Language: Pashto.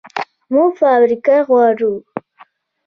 موږ فابریکې غواړو